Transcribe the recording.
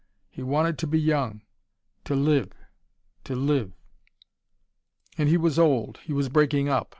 He wanted to be young to live, to live. And he was old, he was breaking up.